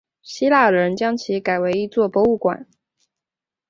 希腊人将其改为一座博物馆。